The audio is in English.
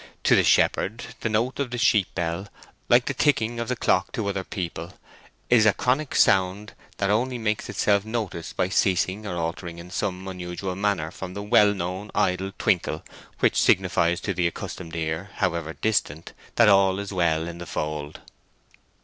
To the shepherd, the note of the sheep bell, like the ticking of the clock to other people, is a chronic sound that only makes itself noticed by ceasing or altering in some unusual manner from the well known idle twinkle which signifies to the accustomed ear, however distant, that all is well in the fold.